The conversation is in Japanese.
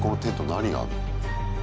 何があんの？